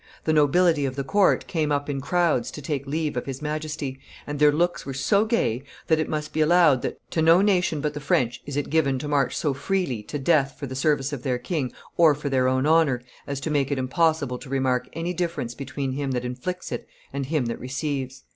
"The nobility of the court came up in crowds to take leave of his Majesty, and their looks were so gay that it must be allowed that to no nation but the French is it given to march so freely to death for the service of their king or for their own honor as to make it impossible to remark any difference between him that inflicts it and him that receives."